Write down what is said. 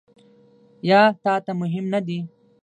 یا تا ته مهم نه دي ؟